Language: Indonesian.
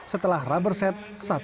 setelah raberset satu dua